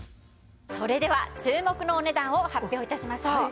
それでは注目のお値段を発表致しましょう。